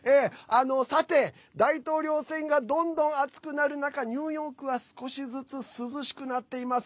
さて、大統領選がどんどん熱くなる中ニューヨークは少しずつ涼しくなっています。